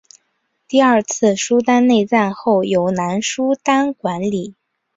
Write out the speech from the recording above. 第二次苏丹内战后由南苏丹管理。